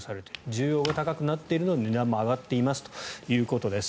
需要が高くなっているので値段も上がっていますということです。